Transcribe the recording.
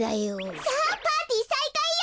さあパーティーさいかいよ！